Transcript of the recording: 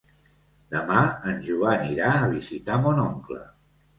Demà en Joan irà a visitar mon oncle.